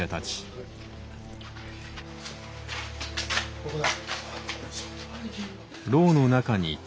ここだ。